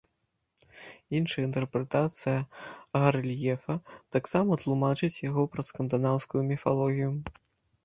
Іншая інтэрпрэтацыя гарэльефа таксама тлумачыць яго праз скандынаўскую міфалогію.